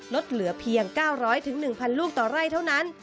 ลดเหลือเพียง๙๐๐๑๐๐ลูกต่อไร่เท่านั้น